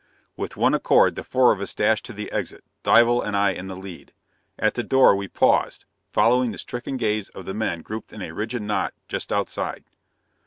With one accord the four of us dashed to the exit, Dival and I in the lead. At the door we paused, following the stricken gaze of the men grouped in a rigid knot just outside.